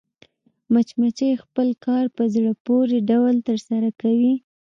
مچمچۍ خپل کار په زړه پورې ډول ترسره کوي